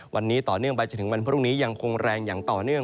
วันนี้ต่อเนื่องไปจนถึงวันพรุ่งนี้ยังคงแรงอย่างต่อเนื่อง